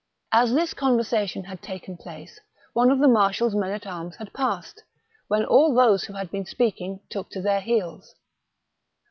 *' As this conversation had taken place, one of the marshal's men at arms had passed, when all those who had been speaking took to their heels.